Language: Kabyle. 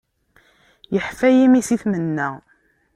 Iḥfa yimi, si tmenna.